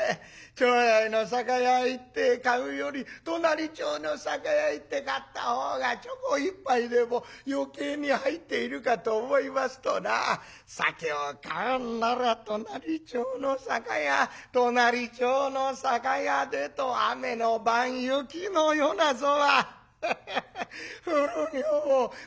町内の酒屋へ行って買うより隣町の酒屋へ行って買ったほうがちょこ１杯でも余計に入っているかと思いますとな酒を買うんなら隣町の酒屋隣町の酒屋でと雨の晩雪の夜なぞは古女房を困らしたもんでございまして。